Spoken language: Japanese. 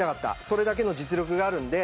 それだけの実力があるんで。